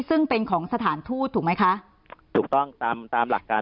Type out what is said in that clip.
ซึ่งเป็นของสถานทูตถูกไหมคะถูกต้องตามตามหลักการ